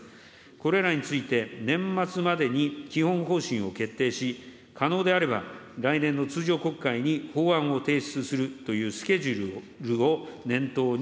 これらについて、年末までに基本方針を決定し、可能であれば、来年の通常国会に法案を提出するというスケジュールを念頭に、